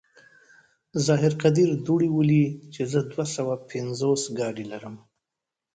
ظاهر قدير دوړې ولي چې زه دوه سوه پينځوس ګاډي لرم.